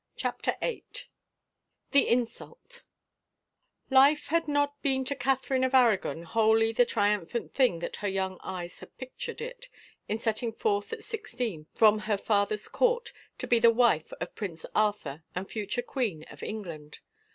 CHAPTER VIII THE INSULT HIFE had not been to Catherine of Aragon wholly the triumphant thing that her young eyes had pictured it in setting forth at sixteen from her father's court, to be the wife of Prince Arthur and future queen of England.